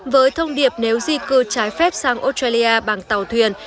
với thông điệp nếu di cư trái phép sang australia bằng tàu thuyền